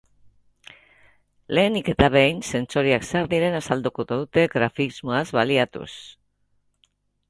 Lehenik eta behin, sentsoreak zer diren azalduko dute grafismoaz baliatuz.